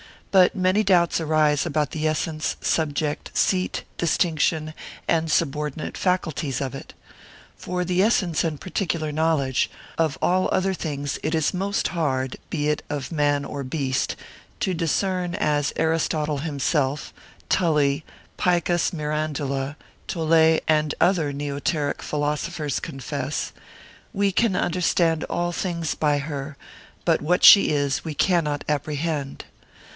But many doubts arise about the essence, subject, seat, distinction, and subordinate faculties of it. For the essence and particular knowledge, of all other things it is most hard (be it of man or beast) to discern, as Aristotle himself, Tully, Picus Mirandula, Tolet, and other neoteric philosophers confess:—We can understand all things by her, but what she is we cannot apprehend.